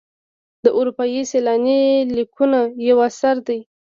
د اروپایي سیلاني لیکونه یو اثر دی.